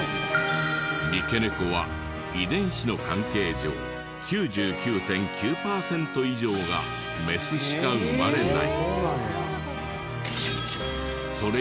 三毛猫は遺伝子の関係上９９．９パーセント以上がメスしか生まれない。